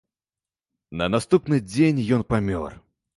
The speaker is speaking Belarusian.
На наступны дзень ён памёр.